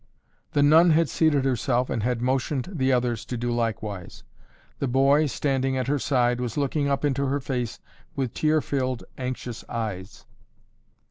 The nun had seated herself and had motioned the others to do likewise. The boy, standing at her side, was looking up into her face with tear filled, anxious eyes.